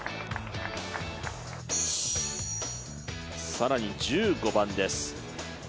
更に１５番です。